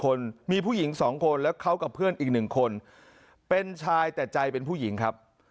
คนมีผู้หญิง๒คนแล้วเขากับเพื่อนอีก๑คนเป็นชายแต่ใจเป็นผู้หญิงครับ